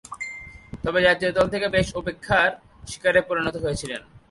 তবে, জাতীয় দল থেকে বেশ উপেক্ষার শিকারে পরিণত হয়েছিলেন।